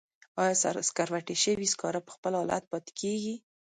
آیا سکروټې شوي سکاره په خپل حالت پاتې کیږي؟